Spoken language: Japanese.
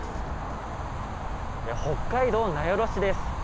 北海道名寄市です。